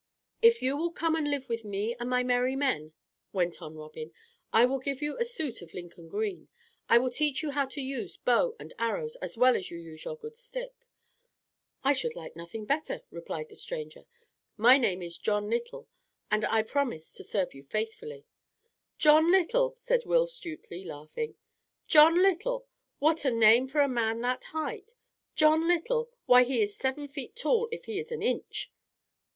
"If you will come and live with me and my Merry Men," went on Robin, "I will give you a suit of Lincoln green. I will teach you how to use bow and arrows as well as you use your good stick." "I should like nothing better," replied the stranger. "My name is John Little, and I promise to serve you faithfully." "John Little!" said Will Stutely laughing. "John Little! what a name for a man that height! John Little! why he is seven feet tall if he is an inch!"